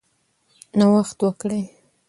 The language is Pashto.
نوښت وکړئ.